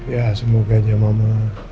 ya semoga aja mama